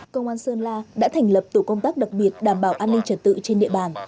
công an sơn la đã thành lập tổ công tác đặc biệt đảm bảo an ninh trật tự trên địa bàn